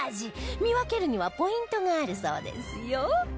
見分けるにはポイントがあるそうですよ